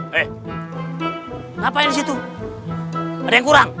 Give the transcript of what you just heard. eh kenapa yang di situ ada yang kurang